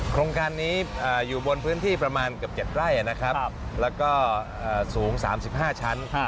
โครงการนี้อยู่บนพื้นที่ประมาณเกือบ๗ไร่นะครับแล้วก็สูง๓๕ชั้น